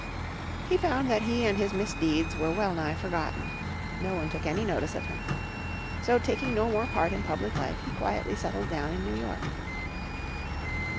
He found that he and his misdeeds were well nigh forgotten. No one took any notice of him. So taking no more part in public life he quietly settled down in New York.